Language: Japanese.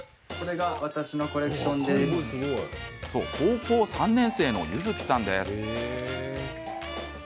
高校３年生の悠月さんです。